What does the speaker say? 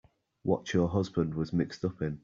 What your husband was mixed up in.